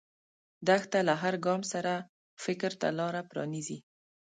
دښته له هر ګام سره فکر ته لاره پرانیزي.